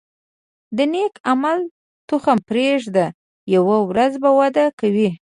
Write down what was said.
د نیک عمل تخم پرېږده، یوه ورځ به وده کوي.